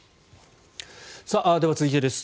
では、続いてです。